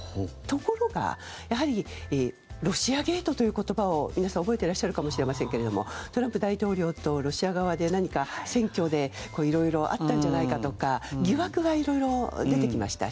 ところがやはりロシアゲートという言葉を皆さん覚えていらっしゃるかもしれませんけれどもトランプ大統領とロシア側で何か選挙で色々あったんじゃないかとか疑惑は色々出てきました。